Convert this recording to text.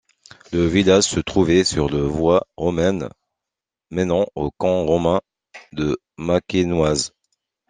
Le village se trouvait sur le voie romaine menant au camp romain de Macquenoise.